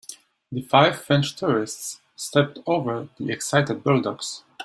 The five French tourists stepped over the excited bulldogs.